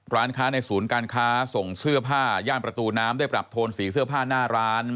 ร้านค้าในศูนย์การค้าส่งเสื้อผ้าย่านประตูน้ำได้ปรับโทนสีเสื้อผ้าหน้าร้าน